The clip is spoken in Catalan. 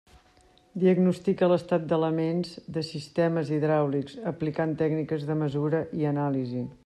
Diagnostica l'estat d'elements de sistemes hidràulics, aplicant tècniques de mesura i anàlisi.